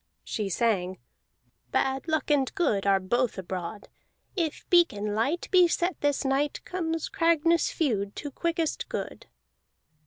She sang: "Bad luck and good Are both abroad. If beacon light Be set this night, Comes Cragness feud To quickest good."